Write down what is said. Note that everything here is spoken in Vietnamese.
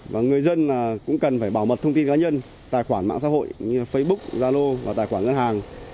và người dân cũng cần phải bảo mật thông tin cá nhân tài khoản mạng xã hội như facebook zalo và tài khoản ngân hàng